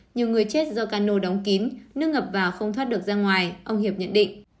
nhiều người chết do cano đóng kín nước ngập vào không thoát được ra ngoài ông hiệp nhận định